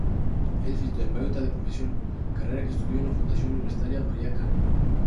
Es fisioterapeuta de profesión, carrera que estudió en la Fundación Universitaria Maria Cano.